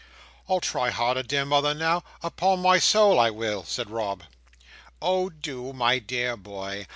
"I'll try hard, dear mother, now. Upon my soul I will!" said Rob. "Oh do, my dear boy!